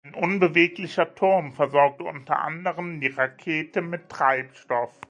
Ein unbeweglicher Turm versorgte unter anderem die Rakete mit Treibstoff.